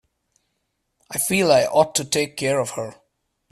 I feel I ought to take care of her.